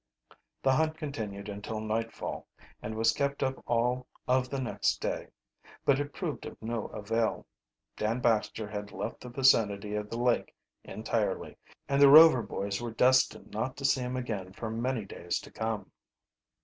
The hunt continued until nightfall, and was kept up all of the next day. But it proved of no avail. Dan Baxter had left the vicinity of the lake entirely, and the Rover boys were destined not to see him again for many days to come.